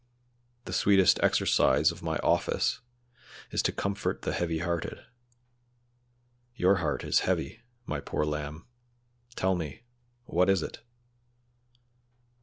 The sweetest exercise of my office is to comfort the heavy hearted. Your heart is heavy, my poor lamb tell me what is it?"